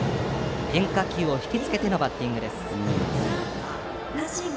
変化球をひきつけてのバッティングでした。